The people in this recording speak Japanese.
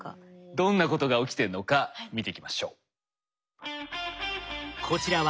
どんなことが起きてるのか見ていきましょう。